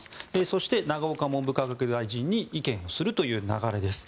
そして、永岡文部科学大臣に意見をするという流れです。